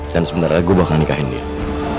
dan sebentar lagi gue bakal nikahin dia